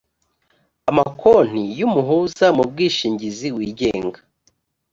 amakonti y umuhuza mu bwishingizi wigenga